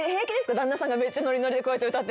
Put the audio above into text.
旦那さんがめっちゃノリノリで歌ってても。